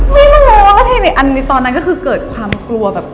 ไม่รู้ว่าพี่ในตอนนั้นก็คือเกิดความกลัวแบบ